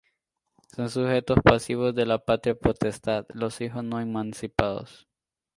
Son sujetos pasivos de la patria potestad: los hijos no emancipados.